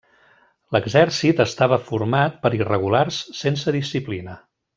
L'exèrcit estava format per irregulars sense disciplina.